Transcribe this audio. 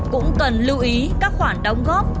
cũng cần lưu ý các khoản đóng góp